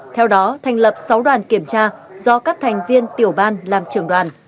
theo đó thành lập sáu đoàn kiểm tra do các thành viên tiểu ban làm trưởng đoàn